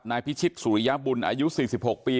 นายพิชิตสุริยบุญอายุ๔๖ปี